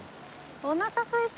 おなかすいた！